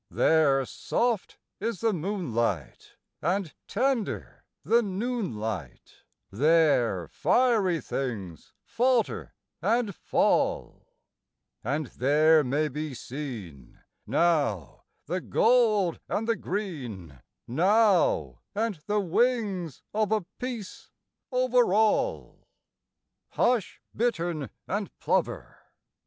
There soft is the moonlight, and tender the noon light; There fiery things falter and fall; And there may be seen, now, the gold and the green, now, And the wings of a peace over all. Hush, bittern and plover!